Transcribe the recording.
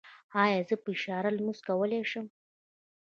ایا زه په اشاره لمونځ کولی شم؟